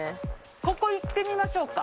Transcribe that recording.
ここいってみましょうか。